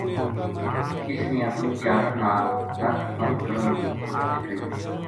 اس نے اپنی چادر نال رَت بند کرن کی کوشش کری